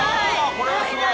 これはすごい。